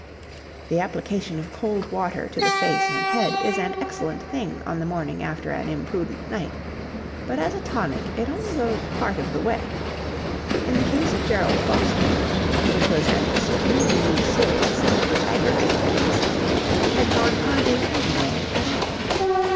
The application of cold water to the face and head is an excellent thing on the morning after an imprudent night, but as a tonic it only goes part of the way. In the case of Gerald Foster, which was an extremely serious and aggravated case, it had gone hardly any way at all.